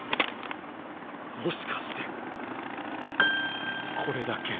もしかしてこれだけ。